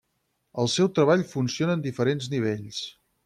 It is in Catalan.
El seu treball funciona en diferents nivells.